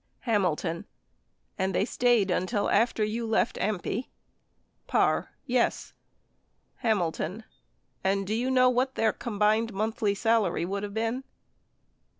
Hamilton. And they stayed until after you left AMPI? Parr. Yes. Hamilton. And do you know what their combined monthly salary would have been